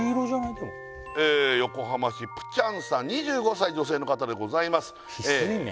でも横浜市プちゃんさん２５歳女性の方でございます翡翠麺？